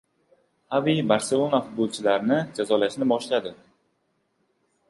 Xavi "Barselona"da futbolchilarni jazolashni boshladi